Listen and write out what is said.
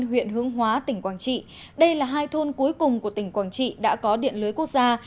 huyện hướng hóa tỉnh quảng trị đây là hai thôn cuối cùng của tỉnh quảng trị đã có điện lưới quốc gia